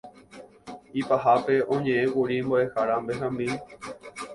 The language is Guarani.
Ipahápe oñe'ẽkuri mbo'ehára Benjamín